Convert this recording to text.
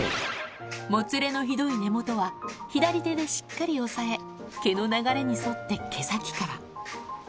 もつれのひどい根元は、左手でしっかり押さえ、毛の流れに沿って毛先から。